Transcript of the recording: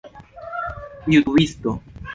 jutubisto